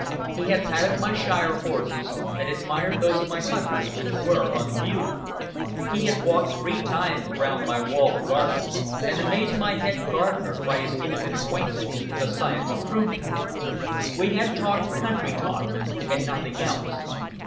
He had patted my shire horses, and admired those of my hunters which were on view. He had walked three times round my walled garden, and amazed my head gardener by his intimate acquaintance with the science of pruning. We had talked country talk and nothing else.